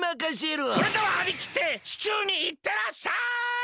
それでははりきって地球にいってらっしゃい！